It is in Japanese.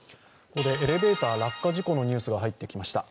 ここでエレベーター落下事故のニュースが入ってきました。